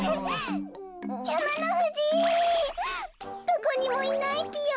どこにもいないぴよ。